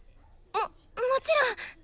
もっもちろん！